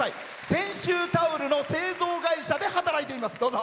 泉州タオルの製造会社で働いています。